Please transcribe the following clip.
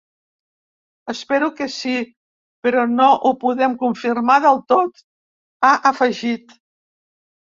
Espero que sí, però no ho podem confirmar del tot, ha afegit.